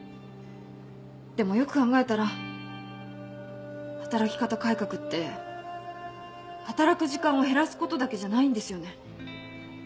でもよく考えたら働き方改革って働く時間を減らすことだけじゃないんですよね。